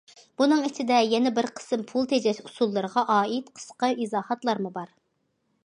بۇنىڭ ئىچىدە يەنە بىر قىسىم پۇل تېجەش ئۇسۇللىرىغا ئائىت قىسقا ئىزاھاتلارمۇ بار.